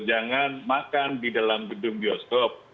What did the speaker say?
jangan makan di dalam gedung bioskop